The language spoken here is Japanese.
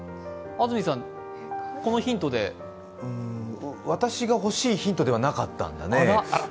安住さん、このヒントで私が欲しいヒントではなかったんだねえ。